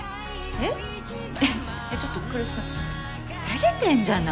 えっえっちょっと来栖君てれてんじゃない？